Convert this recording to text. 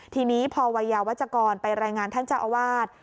ทีนี้พอวัยยาวัชกรไปรายงานท่านเจ้าอาวาส